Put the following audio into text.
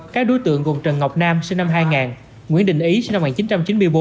các đối tượng gồm trần ngọc nam sinh năm hai nghìn nguyễn đình ý sinh năm một nghìn chín trăm chín mươi bốn